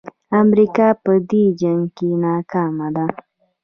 امریکا په دې جنګ کې ناکامه ده.